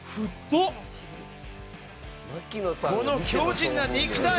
この強靭な肉体。